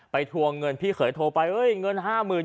ไปท่วงเงินพี่เขยโทรไปเรื่องเนื้อ๕หมื่นนม